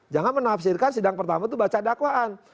jangan menafsirkan sidang pertama itu baca dakwaan